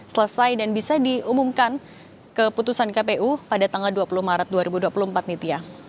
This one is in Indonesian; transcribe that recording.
selesai dan bisa diumumkan keputusan kpu pada tanggal dua puluh maret dua ribu dua puluh empat nitya